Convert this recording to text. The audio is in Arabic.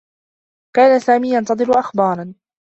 كان سامي ينتظر أخبارا.